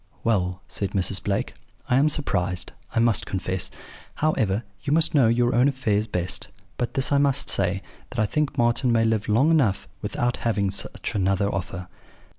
"'Well,' said Mrs. Blake, 'I am surprised, I must confess. However, you must know your own affairs best; but this I must say, that I think Marten may live long enough without having such another offer.'